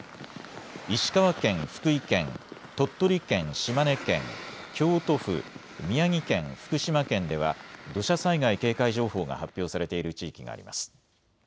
石川県、福井県、鳥取県、島根県、京都府、宮城県、福島県では土砂災害警戒情報が発表されている地域があります。